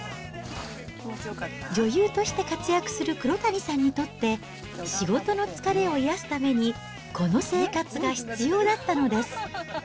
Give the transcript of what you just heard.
女優として活躍する黒谷さんにとって、仕事の疲れを癒やすために、この生活が必要だったのです。